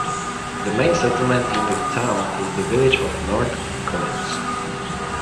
The main settlement in the town is the village of North Collins.